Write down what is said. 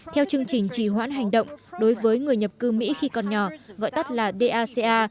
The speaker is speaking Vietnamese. theo chương trình chỉ hoãn hành động đối với người nhập cư mỹ khi còn nhỏ gọi tắt là daca